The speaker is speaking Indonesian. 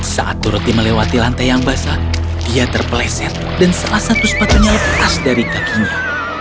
saat doroti melewati lantai yang basah ia terpeleset dan salah satu sepatunya lepas dari kakinya